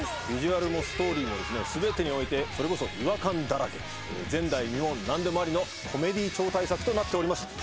ビジュアルもストーリーも全てにおいてそれこそ違和感だらけ前代未聞何でもありのコメディー超大作となっております